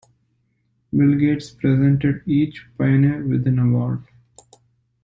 Bill Gates presented each pioneer with an award.